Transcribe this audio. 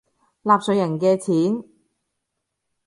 納稅人嘅錢